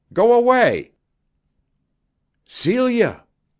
Go away!" "Celia!"